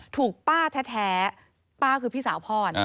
ถูกป้าแท้ป้าคือพี่สาวพ่อนะ